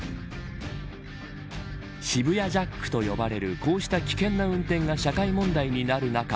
渋谷ジャックと呼ばれるこうした危険な運転が社会問題になる中